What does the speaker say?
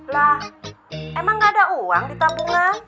lah emang gak ada uang di tabungan